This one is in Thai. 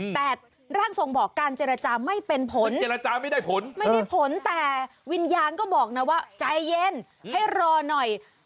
แต่ร่างทรงบอกการเจรจาไม่เป็นผลแต่วิญญาณก็บอกนะว่าใจเย็นให้รอหน่อย